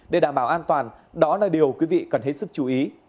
để đảm bảo an toàn đó là điều quý vị cần hết sức chú ý